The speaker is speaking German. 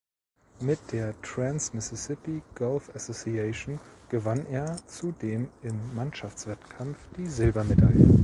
Mit der "Trans Mississippi Golf Association" gewann er zudem im Mannschaftswettkampf die Silbermedaille.